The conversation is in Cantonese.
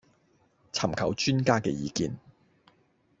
尋求專家嘅意見